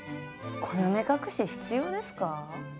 この目隠し必要ですか？